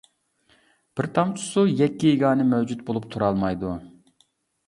بىر تامچە سۇ يەككە-يېگانە مەۋجۇت بولۇپ تۇرالمايدۇ.